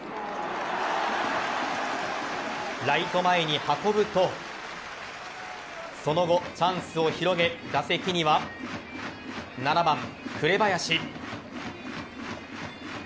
ライト前に運ぶとその後、チャンスを広げ打席には７番・紅林。